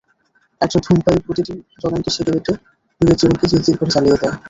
একজন ধূমপায়ী প্রতিটি জ্বলন্ত সিগারেটে নিজের জীবনকে তিল তিল করে জ্বালিয়ে দেয়।